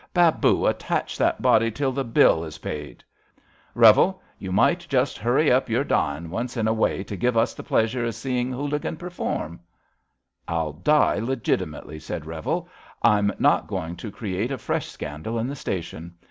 Babu, attach that body till the bill is pai<L' Revel, you might just hurry up your dying once in a way to give us the pleasure of seeing Houligan perform/' I'll die legitimately,'' said ReveL *^ I'm not going to create a fresh scandal in the station.